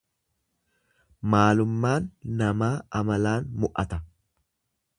Maalummaan namaa amalaan mu'ata.